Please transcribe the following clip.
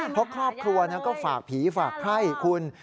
เพราะครอบครัวก็ฝากผีฝากไข้คุณ